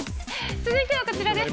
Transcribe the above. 続いてはこちらです。